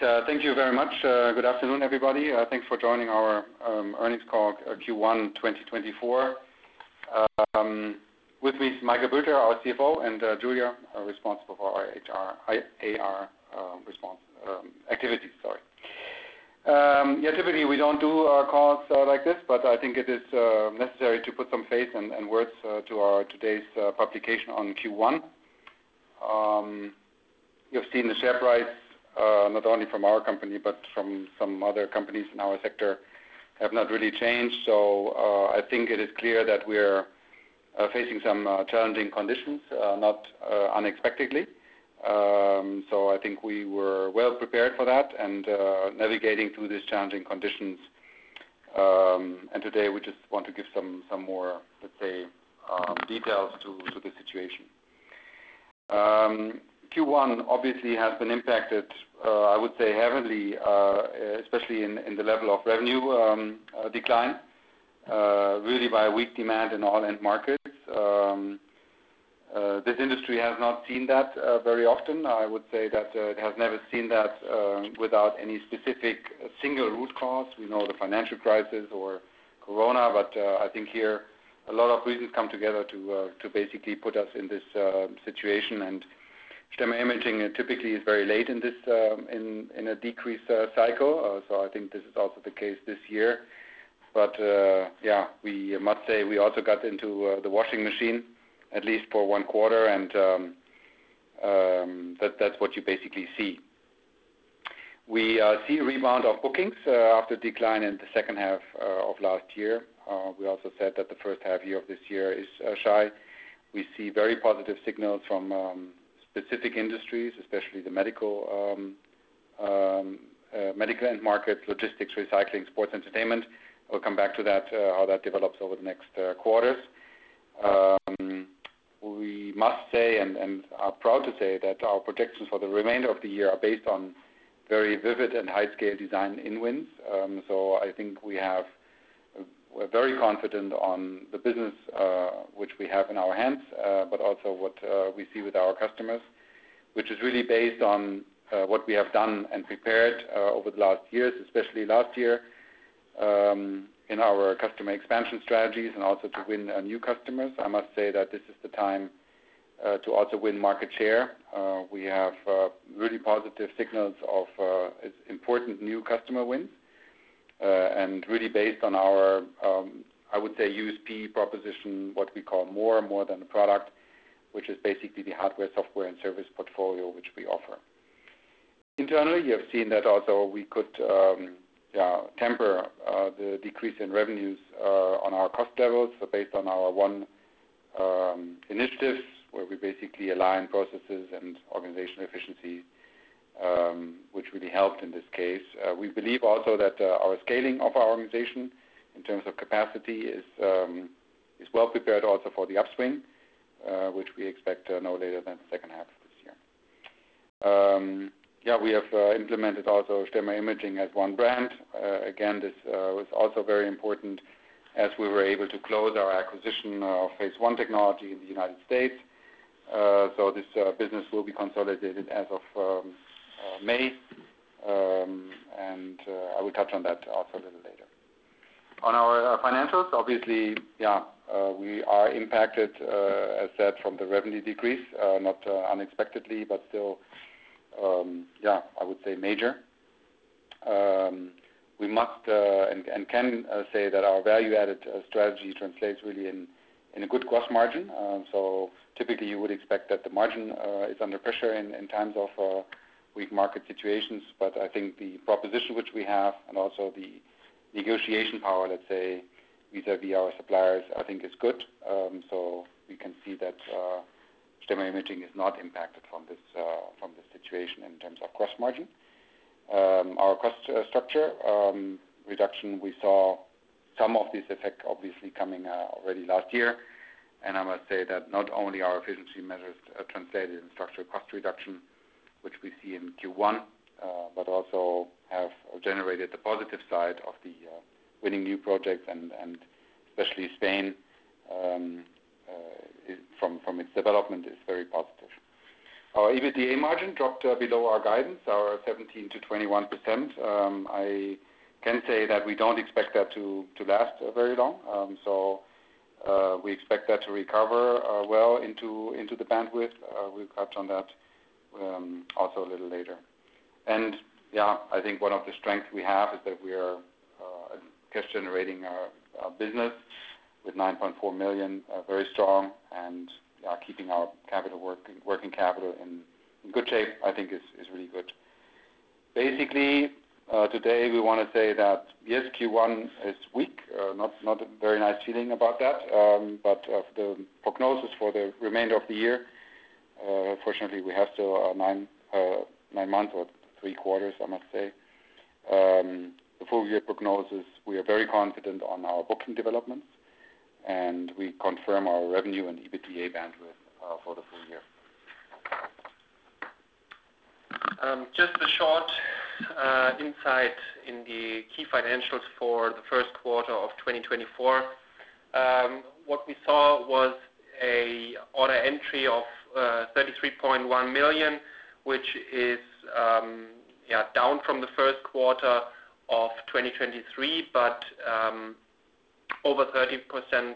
Yes. Thank you very much. Good afternoon, everybody. Thanks for joining our earnings call Q1 2024. With me is Michael Bülter, our CFO and Julia, responsible for our IR activities, sorry. Yeah, typically, we don't do calls like this, but I think it is necessary to put some face and words to our today's publication on Q1. You've seen the share price not only from our company but from some other companies in our sector, have not really changed. I think it is clear that we're facing some challenging conditions not unexpectedly. I think we were well prepared for that and navigating through these challenging conditions. Today, we just want to give some more, let's say, details to the situation. Q1 obviously has been impacted, I would say, heavily, especially in the level of revenue decline, really by weak demand in all end markets. This industry has not seen that very often. I would say that it has never seen that without any specific single root cause. We know the financial crisis or Corona but I think here a lot of reasons come together to basically put us in this situation. Stemmer Imaging typically is very late in this in a decreased cycle. I think this is also the case this year. Yeah, we must say we also got into the washing machine at least for one quarter and that's what you basically see. We see a rebound of bookings after decline in the second half of last year. We also said that the first half year of this year is shy. We see very positive signals from specific industries, especially the medical end market, logistics, recycling, sports, entertainment. We'll come back to that, how that develops over the next quarters. We must say, and are proud to say that our projections for the remainder of the year are based on very vivid and high-scale-design-in wins. I think we're very confident on the business which we have in our hands. But also what we see with our customers which is really based on what we have done and prepared over the last years. Especially last year in our customer expansion strategies and also to win new customers. I must say that this is the time to also win market share. We have really positive signals of important new customer wins and really based on our I would say USP proposition, what we call MORE - more than a product, which is basically the hardware, software and service portfolio which we offer. Internally, you have seen that also we could temper the decrease in revenues on our cost levels. Based on our one initiatives, where we basically align processes and organizational efficiency which really helped in this case. We believe also that our scaling of our organization in terms of capacity is well prepared also for the upswing which we expect no later than the second half of this year. We have implemented also Stemmer Imaging as one brand. Again, this was also very important as we were able to close our acquisition of Phase 1 Technology in the U.S. This business will be consolidated as of May, I will touch on that also a little later. On our financials, obviously, we are impacted as said from the revenue decrease not unexpectedly but still, I would say major. We must and can, say that our value-added strategy translates really in a good gross margin. Typically you would expect that the margin is under pressure in times of weak market situations. I think the proposition which we have and also the negotiation power, let's say, vis-a-vis our suppliers, I think is good. We can see that Stemmer Imaging is not impacted from this situation in terms of gross margin. Our cost structure reduction, we saw some of this effect obviously coming already last year. I must say that not only our efficiency measures translated in structural cost reduction which we see in Q1, but also have generated the positive side of the winning new projects, and especially Spain from its development is very positive. Our EBITDA margin dropped below our guidance, our 17%-21%. I can say that we don't expect that to last very long. We expect that to recover well into the bandwidth. We'll touch on that also a little later. Yeah, I think one of the strengths we have is that we are cash generating our business with 9.4 million very strong and keeping our working capital in good shape, I think is really good. Basically, today we wanna say that, yes, Q1 is weak not a very nice feeling about that. Of the prognosis for the remainder of the year, fortunately we have still nine months or three quarters, I must say. The full year prognosis, we are very confident on our booking developments and we confirm our revenue and EBITDA bandwidth for the full year. Just a short insight in the key financials for the first quarter of 2024. What we saw was Order entry of 33.1 million, which is down from the first quarter of 2023 but over 30%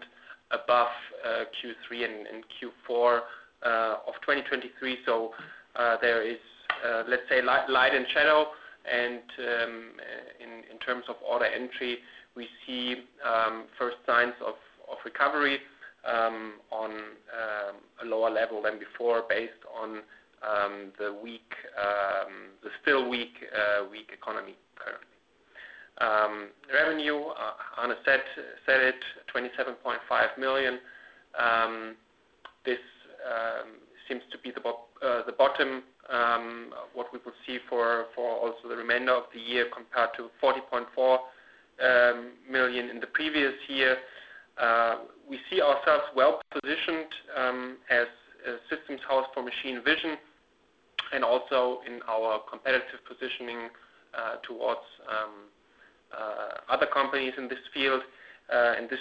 above Q3 and Q4 of 2023. There is, let's say, light and shadow. In terms of order entry, we see first signs of recovery on a lower level than before, based on the still weak economy currently. Revenue set at 27.5 million. This seems to be the bottom, what we will see for also the remainder of the year, compared to 40.4 million in the previous year. We see ourselves well-positioned as a systems house for machine vision and also in our competitive positioning towards other companies in this field. And this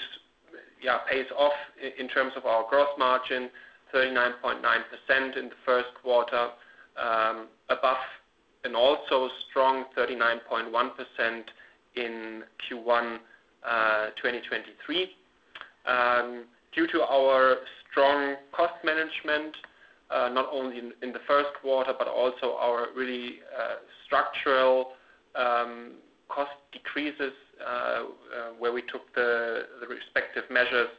pays off in terms of our gross margin, 39.9% in the first quarter, above and also strong 39.1% in Q1 2023. Due to our strong cost management not only in the first quarter, but also our really structural cost decreases where we took the respective measures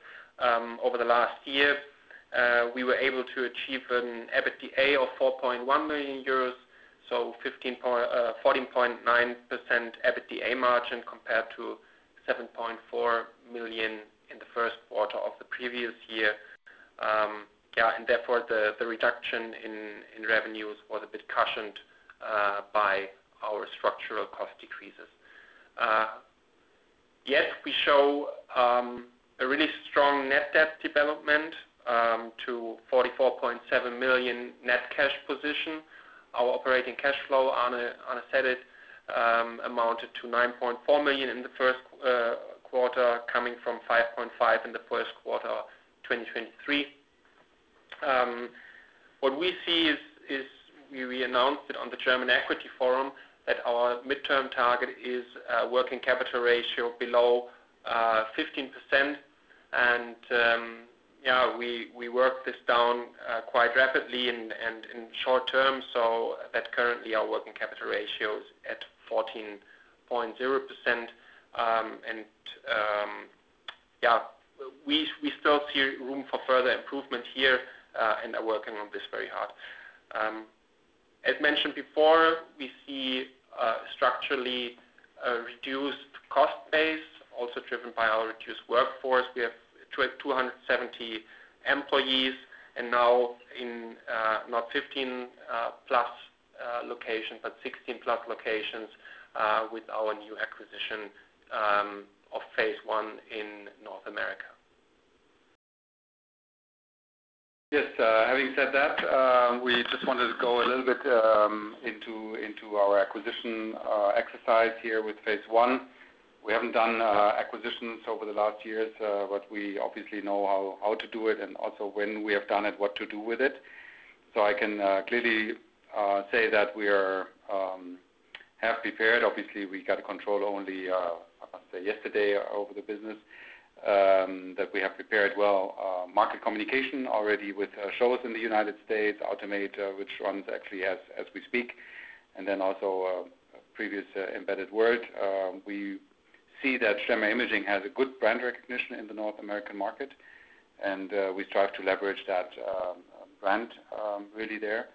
over the last year, we were able to achieve an EBITDA of 4.1 million euros. So 14.9% EBITDA margin compared to 7.4 million in the first quarter of the previous year. Yeah, therefore, the reduction in revenues was a bit cushioned by our structural cost decreases. Yet we show a really strong net debt development to 44.7 million net cash position. Our operating cash flow on a set it amounted to 9.4 million in the first quarter, coming from 5.5 million in the first quarter of 2023. What we see is, we announced it on the German Equity Forum, that our midterm target is a working capital ratio below 15%. Yeah, we worked this down quite rapidly and in short term so that currently our working capital ratio is at 14.0%. Yeah, we still see room for further improvement here and are working on this very hard. As mentioned before, we see a structurally reduced cost base, also driven by our reduced workforce. We have 270 employees and now in not 15 plus locations but 16 plus locations with our new acquisition of Phase 1 in North America. Yes, having said that, we just wanted to go a little bit into our acquisition exercise here with Phase 1. We haven't done acquisitions over the last years but we obviously know how to do it and also when we have done it, what to do with it. I can clearly say that we are have prepared. Obviously, we got control only I must say yesterday over the business that we have prepared well, market communication already with shows in the U.S., Automate, which runs actually as we speak, and then also previous Embedded World. We see that Stemmer Imaging has a good brand recognition in the North American market and we strive to leverage that brand really there.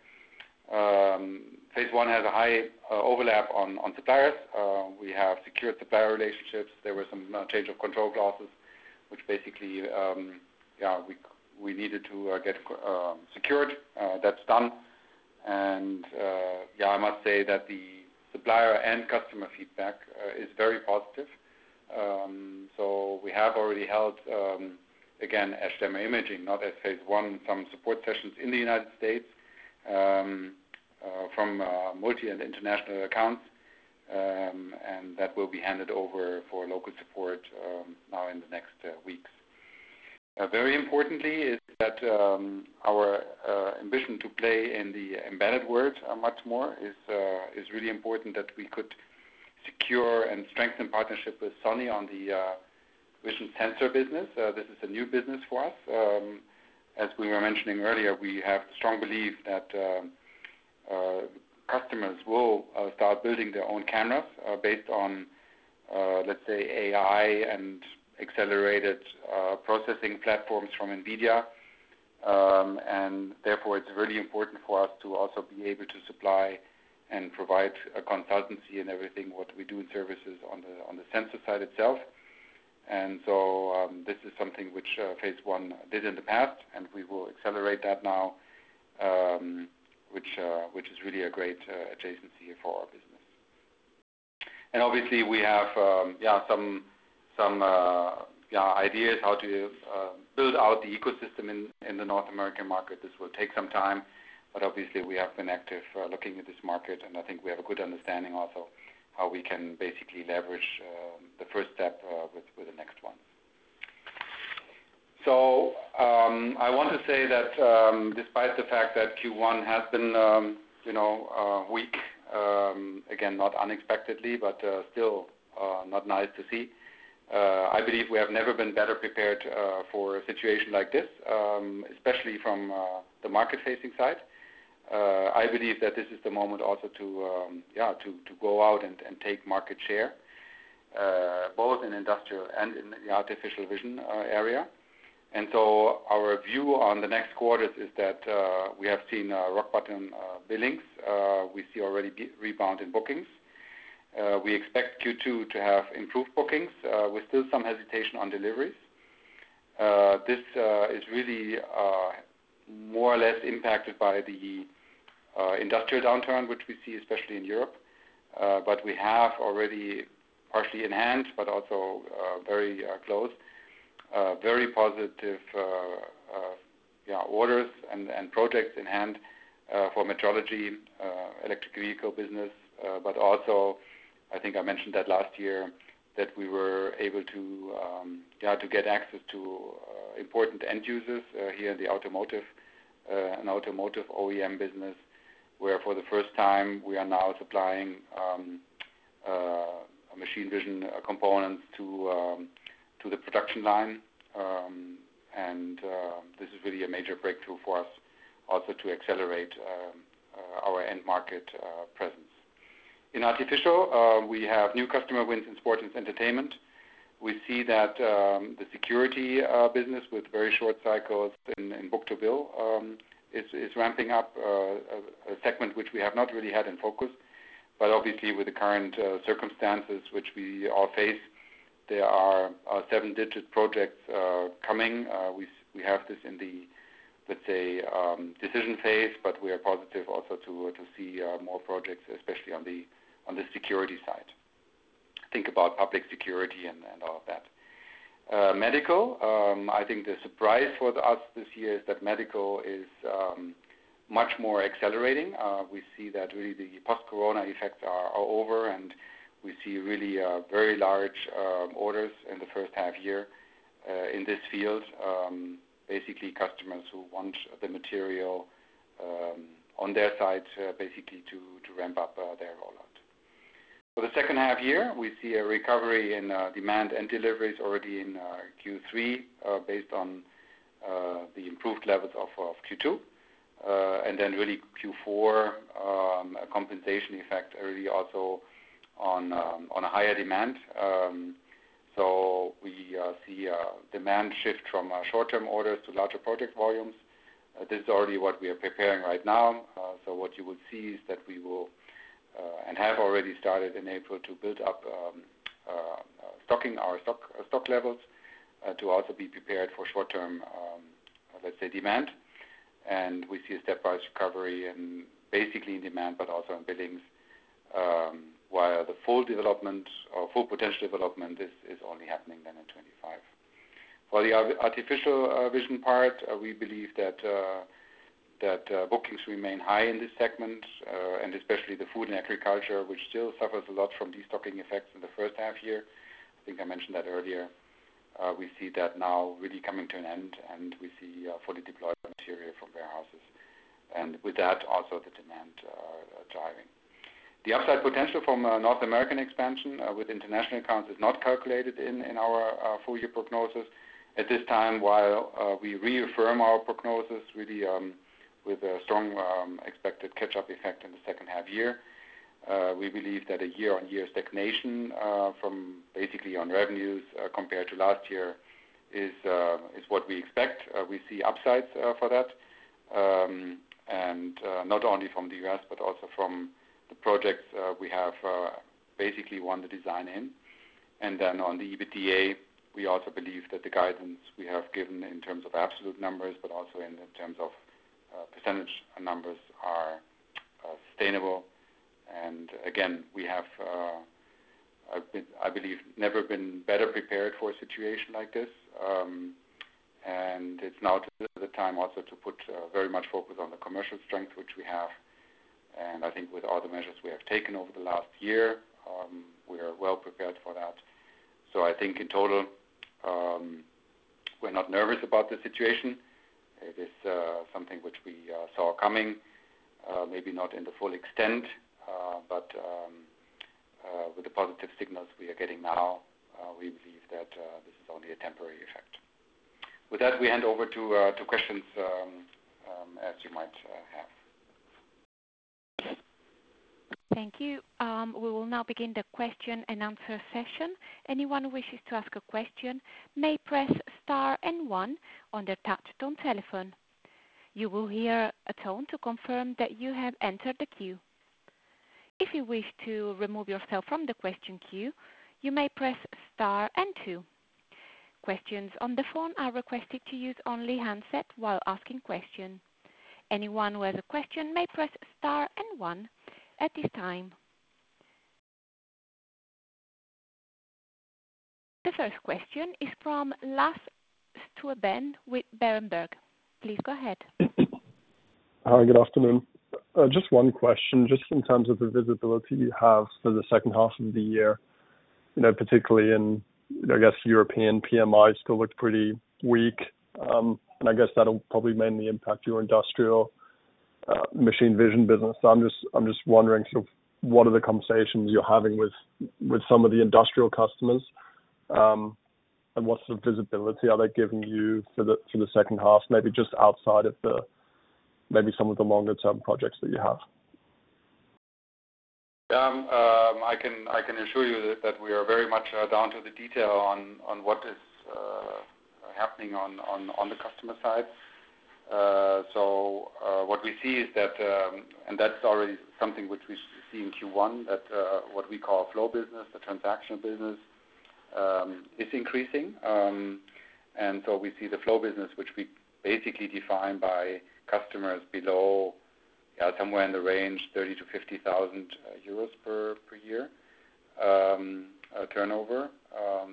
Phase 1 has a high overlap on suppliers. We have secured supplier relationships. There were some change of control clauses which basically we needed to get secured. That's done. I must say that the supplier and customer feedback is very positive. We have already held, again, as Stemmer Imaging, not as Phase 1, some support sessions in the U.S. from multi and international accounts, that will be handed over for local support now in the next weeks. Very importantly is that our ambition to play in the Embedded World much more is really important that we could secure and strengthen partnership with Sony on the vision sensor business. This is a new business for us. As we were mentioning earlier, we have strong belief that customers will start building their own cameras based on, let's say, AI and accelerated processing platforms from NVIDIA. Therefore, it's really important for us to also be able to supply and provide a consultancy in everything, what we do in services on the sensor side itself. This is something which Phase 1 did in the past and we will accelerate that now, which is really a great adjacency for our business. Obviously, we have some ideas how to build out the ecosystem in the North American market. This will take some time. Obviously, we have been active looking at this market, and I think we have a good understanding also how we can basically leverage the first step with the next one. I want to say that, despite the fact that Q1 has been, you know, weak, again, not unexpectedly, still not nice to see. I believe we have never been better prepared for a situation like this, especially from the market-facing side. I believe that this is the moment also to go out and take market share both in industrial and in the artificial vision area. Our view on the next quarters is that we have seen rock-bottom billings. We see already rebound in bookings. We expect Q2 to have improved bookings, with still some hesitation on deliveries. This is really more or less impacted by the industrial downturn, which we see especially in Europe. We have already partially enhanced but also very close, very positive orders and projects in hand for metrology, electric vehicle business. Also, I think I mentioned that last year that we were able to get access to important end users here in the automotive, in automotive OEM business where for the first time we are now supplying machine vision components to the production line. This is really a major breakthrough for us also to accelerate our end market presence. In artificial, we have new customer wins in sports and entertainment. We see that the security business with very short cycles in book-to-bill is ramping up, a segment which we have not really had in focus. Obviously with the current circumstances which we all face, there are seven-digit projects coming. We have this in the, let's say, decision phase, but we are positive also to see more projects, especially on the security side. Think about public security and all of that. Medical, I think the surprise for us this year is that medical is much more accelerating. We see that really the post-corona effects are over and we see really very large orders in the first half year in this field. Basically customers who want the material on their side basically to ramp up their rollout. For the second half year, we see a recovery in demand and deliveries already in Q3 based on the improved levels of Q2. Really Q4, a compensation effect really also on a higher demand. We see a demand shift from short-term orders to larger project volumes. This is already what we are preparing right now. What you will see is that we will and have already started in April to build up stocking our stock levels to also be prepared for short-term, let's say, demand. We see a stepwise recovery in demand but also in billings, while the full development or full potential development is only happening in 2025. For the artificial vision part, we believe that bookings remain high in this segment and especially the food and agriculture, which still suffers a lot from destocking effects in the first half year. I think I mentioned that earlier. We see that now really coming to an end and we see fully deployed material from warehouses. With that also the demand driving. The upside potential from North American expansion with international accounts is not calculated in our full year prognosis. At this time, while we reaffirm our prognosis really with a strong expected catch-up effect in the second half year, we believe that a year-on-year stagnation, from basically on revenues, compared to last year is what we expect. We see upsides for that. Not only from the U.S. but also from the projects we have basically won the design in. On the EBITDA, we also believe that the guidance we have given in terms of absolute numbers but also in terms of percentage numbers are sustainable. Again, we have, I've been, I believe, never been better prepared for a situation like this. It's now the time also to put very much focus on the commercial strength which we have. I think with all the measures we have taken over the last year, we are well prepared for that. I think in total, we're not nervous about the situation. It is something which we saw coming, maybe not in the full extent, but with the positive signals we are getting now, we believe that this is only a temporary effect. With that, we hand over to questions as you might have. Thank you. We will now begin the question and answer session. The first question is from Lasse Stüben with Berenberg. Please go ahead. Hi, good afternoon. Just one question, just in terms of the visibility you have for the second half of the year, you know, particularly in, I guess, European PMI still looked pretty weak. I guess that'll probably mainly impact your industrial machine vision business. I'm just wondering sort of what are the conversations you're having with some of the industrial customers and what sort of visibility are they giving you for the second half, maybe just outside of some of the longer-term projects that you have? I can assure you that we are very much down to the detail on what is happening on the customer side. What we see is that, and that's already something which we see in Q1, that what we call flow business, the transaction business, is increasing. We see the flow business, which we basically define by customers below, somewhere in the range 30,000-50,000 euros per year turnover,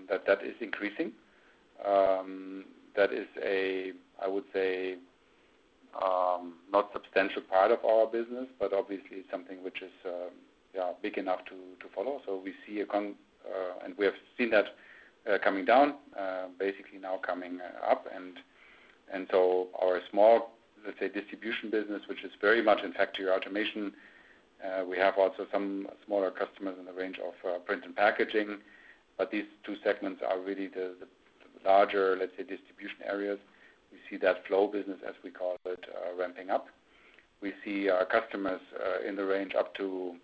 that is increasing. That is a, I would say not substantial part of our business but obviously something which is big enough to follow. We see, and we have seen that coming down, basically now coming up. Our small, let's say, distribution business which is very much in factory automation. We have also some smaller customers in the range of print and packaging. But these two segments are really the larger, let's say, distribution areas. We see that flow business, as we call it, ramping up. We see our customers in the range up to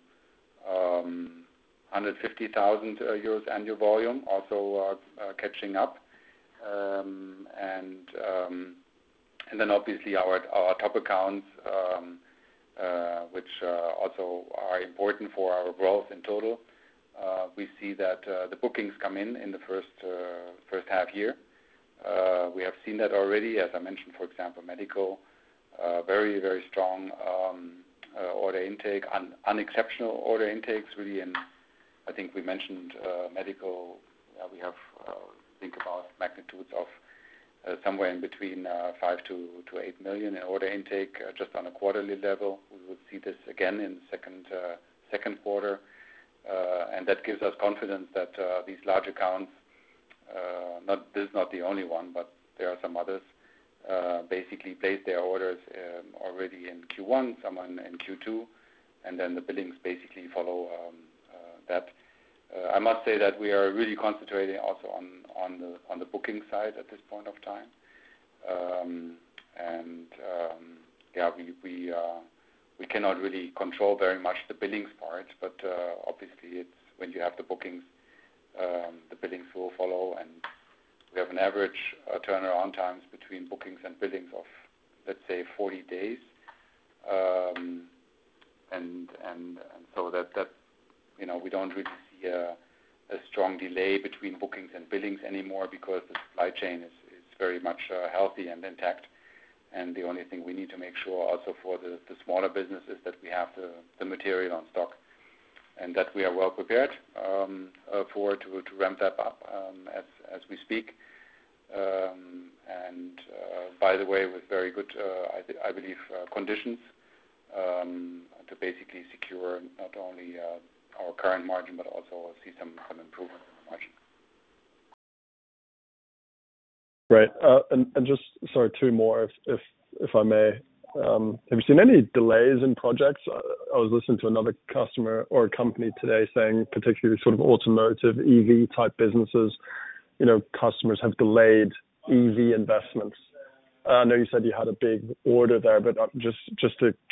150,000 euros annual volume also catching up. Obviously our top accounts, which also are important for our growth in total, we see that the bookings come in in the first half year. We have seen that already, as I mentioned, for example, medical, very, very strong order intake, unexceptional order intakes really. I think we mentioned, medical, we have, I think about magnitudes of, somewhere in between, 5 million-8 million in order intake just on a quarterly level. We would see this again in second quarter. That gives us confidence that these large accounts, this is not the only one, but there are some others, basically place their orders already in Q1, some are in Q2, and then the billings basically follow that. I must say that we are really concentrating also on the booking side at this point of time. Yeah, we cannot really control very much the billings part, but obviously it's when you have the bookings, the billings will follow. We have an average turnaround times between bookings and billings of, let's say, 40 days. You know, we don't really see a strong delay between bookings and billings anymore because the supply chain is very much healthy and intact. The only thing we need to make sure also for the smaller businesses that we have the material on stock, and that we are well prepared to ramp that up as we speak. By the way, with very good conditions, to basically secure not only our current margin but also see some improvement in the margin. Right. And just sorry, two more if I may. Have you seen any delays in projects? I was listening to another customer or a company today saying particularly sort of automotive EV type businesses, you know, customers have delayed EV investments. I know you said you had a big order there, but I'm just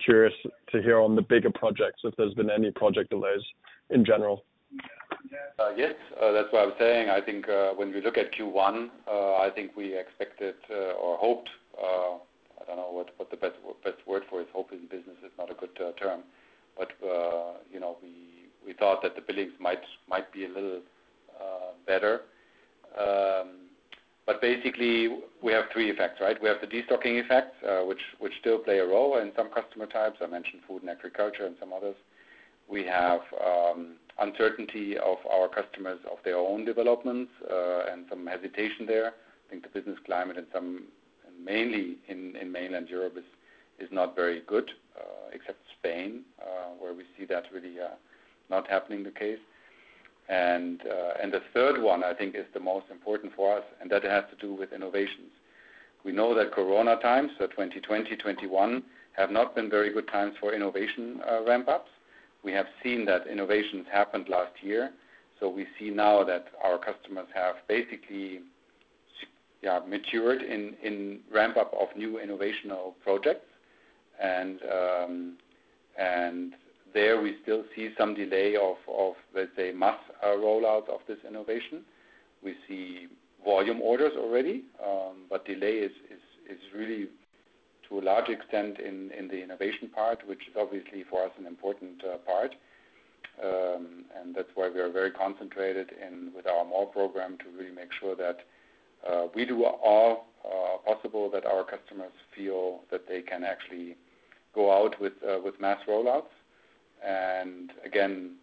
curious to hear on the bigger projects if there's been any project delays in general. Yes. That's what I was saying. I think, when we look at Q1, I think we expected or hoped, I don't know what the best word for it. Hope in business is not a good term. You know, we thought that the billings might be a little better. Basically, we have three effects, right? We have the destocking effect, which still play a role in some customer types. I mentioned food and agriculture and some others. We have uncertainty of our customers of their own developments and some hesitation there. I think the business climate mainly in mainland Europe is not very good, except Spain, where we see that really not happening the case. The third one I think is the most important for us, has to do with innovations. We know that Corona times, so 2020, 2021, have not been very good times for innovation ramp-ups. We have seen that innovations happened last year. We see now that our customers have basically matured in ramp-up of new innovational projects. There we still see some delay of, let's say, mass rollout of this innovation. We see volume orders already. Delay is really to a large extent in the innovation part, which is obviously for us an important part. That's why we are very concentrated with our MORE program to really make sure that we do all possible that our customers feel that they can actually go out with mass rollouts. Again,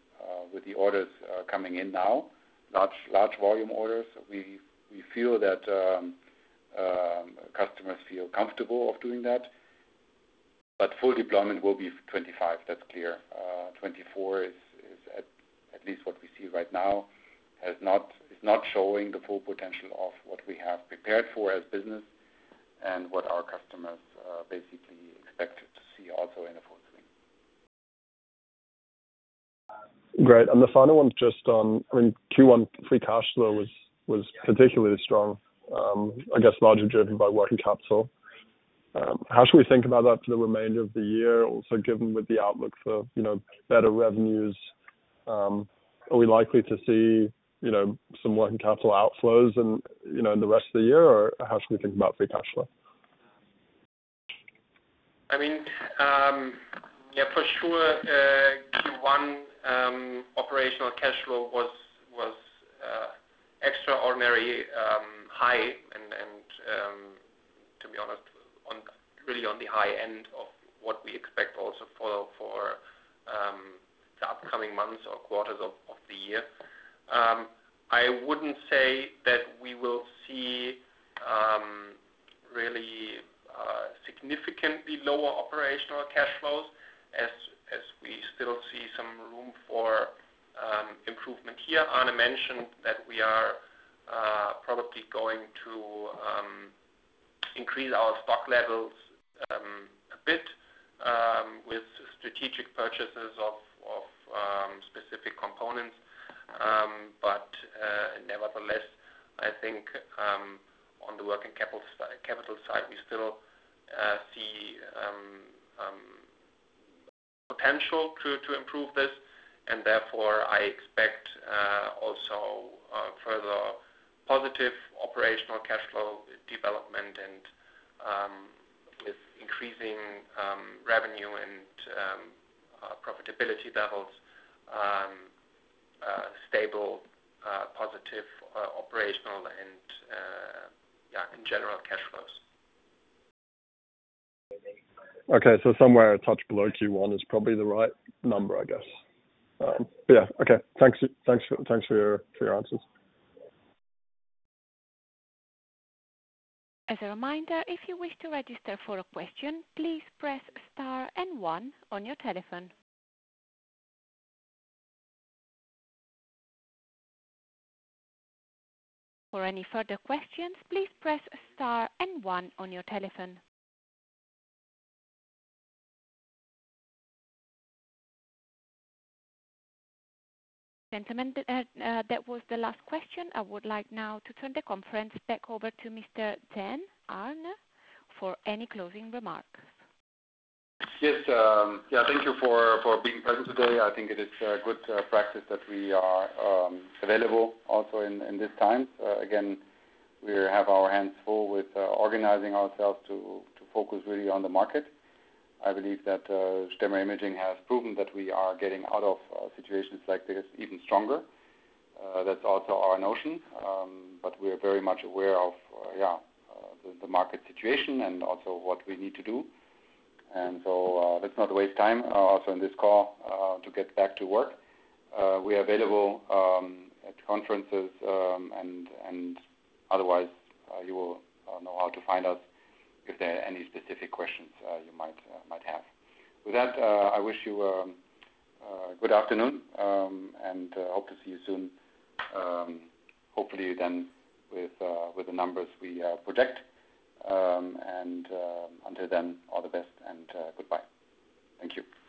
with the orders coming in now, large volume orders, we feel that customers feel comfortable of doing that. Full deployment will be 2025, that's clear. 2024 is at least what we see right now, is not showing the full potential of what we have prepared for as business and what our customers basically expect to see also in the full swing. Great. The final one just on, I mean, Q1 free cash flow was particularly strong, I guess, largely driven by working capital. How should we think about that for the remainder of the year? Also, given with the outlook for, you know, better revenues, are we likely to see, you know, some working capital outflows and, you know, in the rest of the year? Or how should we think about free cash flow? I mean, yeah, for sure, Q1 operational cash flow was extraordinary high and, to be honest, really on the high end of what we expect also for the upcoming months or quarters of the year. I wouldn't say that we will see really significantly lower operational cash flows as we still see some room for improvement here. Arne mentioned that we are probably going to increase our stock levels a bit with strategic purchases of specific components. Nevertheless, I think, on the working capital capital side, we still see potential to improve this, and therefore, I expect also further positive operational cash flow development and with increasing revenue and profitability levels, stable positive operational and, yeah, in general cash flows. Okay. Somewhere a touch below Q1 is probably the right number, I guess. Yeah. Okay. Thanks for your answers. Gentlemen, and that was the last question. I would like now to turn the conference back over to Mr. Dehn, Arne for any closing remarks. Yes. Thank you for being present today. I think it is good practice that we are available also in this time. Again, we have our hands full with organizing ourselves to focus really on the market. I believe that Stemmer Imaging has proven that we are getting out of situations like this even stronger. That's also our notion. But we are very much aware of the market situation and also what we need to do. Let's not waste time also in this call to get back to work. We're available at conferences and otherwise, you will know how to find us if there are any specific questions you might have. With that, I wish you a good afternoon, and hope to see you soon. Hopefully then with the numbers we project. Until then, all the best and goodbye. Thank you.